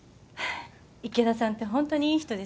池田さんってホントにいい人ですね。